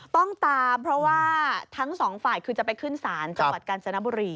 ต้องตามเพราะว่าทั้งสองฝ่ายคือจะไปขึ้นศาลจังหวัดกาญจนบุรี